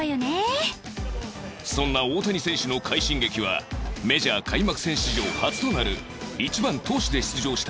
そんな大谷選手の快進撃はメジャー開幕戦史上初となる１番投手で出場した